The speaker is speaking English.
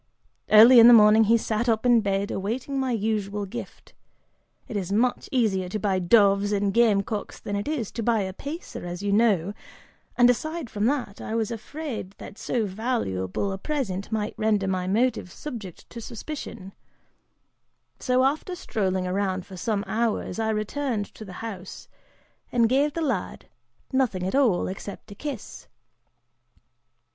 Early in the morning, he sat up in bed, awaiting my usual gift. It is much easier to buy doves and game cocks than it is to buy a pacer, as you know, and aside from that, I was also afraid that so valuable a present might render my motive subject to suspicion, so, after strolling around for some hours, I returned to the house, and gave the lad nothing at all except a kiss.